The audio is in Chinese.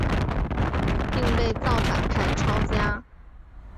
并被造反派抄家。